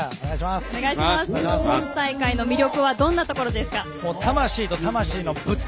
この大会の魅力はどんなところですか？